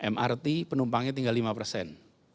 mrt penumpangnya tinggal lima persen